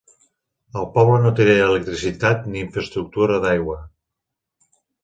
El poble no té electricitat ni infraestructura d'aigua.